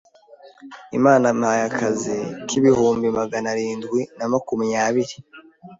Imana impaye akazi k’ibihumbi magana arindwi na makumyabiri